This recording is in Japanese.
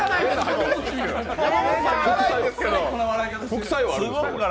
副作用あるんですか？